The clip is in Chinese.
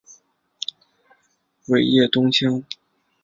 尾叶冬青